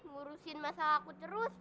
ngurusin masalah aku terus